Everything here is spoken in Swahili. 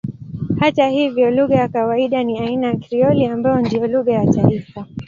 Hata hivyo lugha ya kawaida ni aina ya Krioli ambayo ndiyo lugha ya taifa.